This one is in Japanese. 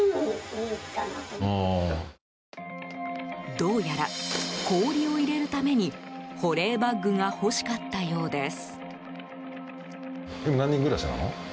どうやら氷を入れるために保冷バッグが欲しかったようです。